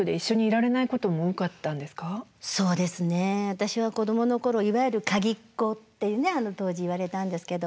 私は子どもの頃いわゆる鍵っ子っていうね当時言われたんですけど。